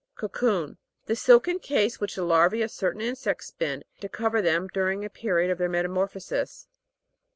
COCOO'N. The silken case which the larvse of certain insects spin, to cover them during a period of their metamorphosis.